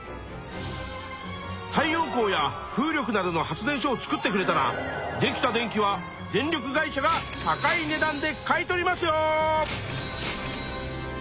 太陽光や風力などの発電所を作ってくれたらできた電気は電力会社が高いねだんで買い取りますよ！